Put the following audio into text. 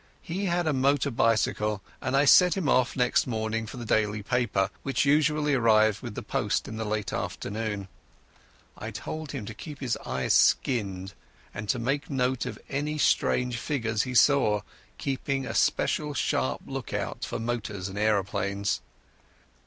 He had a motor bicycle, and I sent him off next morning for the daily paper, which usually arrived with the post in the late afternoon. I told him to keep his eyes skinned, and make note of any strange figures he saw, keeping a special sharp look out for motors and aeroplanes.